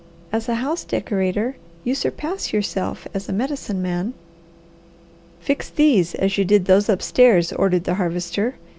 "As a house decorator you surpass yourself as a Medicine Man." "Fix these as you did those upstairs," ordered the Harvester.